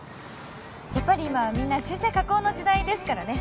やっぱり今はみんな修整・加工の時代ですからね